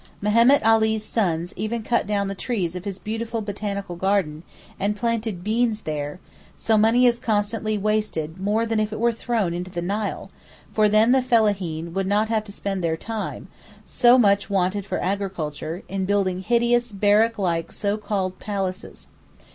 Mehemet Ali's sons even cut down the trees of his beautiful botanical garden and planted beans there; so money is constantly wasted more than if it were thrown into the Nile, for then the Fellaheen would not have to spend their time, so much wanted for agriculture, in building hideous barrack like so called palaces.